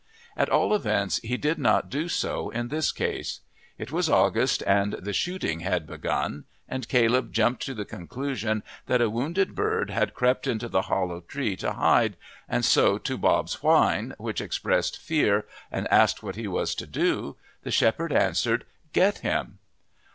At all events he did not do so in this case. It was August and the shooting had begun, and Caleb jumped to the conclusion that a wounded bird had crept into the hollow tree to hide, and so to Bob's whine, which expressed fear and asked what he was to do, the shepherd answered, "Get him."